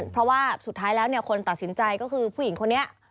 เพราะว่าสุดท้ายแล้วคนตัดสินใจก็คือผู้หญิงคนนี้